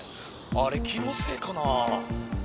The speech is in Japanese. あれ気のせいかなぁ。